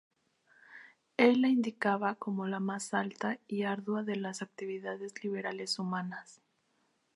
Él la indicaba como la más alta y ardua de las actividades liberales humanas.